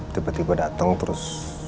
tiba tiba dateng terus